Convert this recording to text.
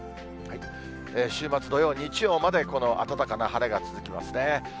週末土曜、日曜までこの暖かな晴れが続きますね。